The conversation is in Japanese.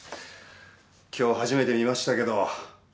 今日初めて見ましたけど。